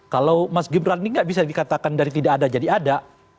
kalau mas gibran ini nggak bisa dikatakan dari tidak ada jadi ada